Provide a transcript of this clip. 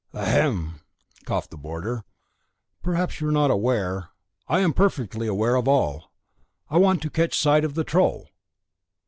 "Ahem!" coughed the bonder; "perhaps you are not aware " "I am perfectly aware of all. I want to catch sight of the troll."